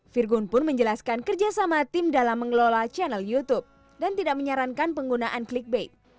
virgon pun menjelaskan kerjasama tim dalam mengelola channel youtube dan tidak menyarankan penggunaan clickbag